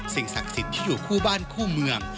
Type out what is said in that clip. ศักดิ์สิทธิ์ที่อยู่คู่บ้านคู่เมือง